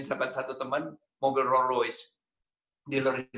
oleh satu teman mobil rolls royce